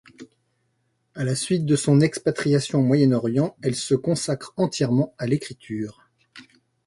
À la suite de son expatriation au Moyen-Orient, elle se consacre entièrement à l’écriture.